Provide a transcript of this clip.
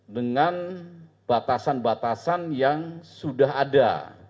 dengan batasan batasan yang sudah ada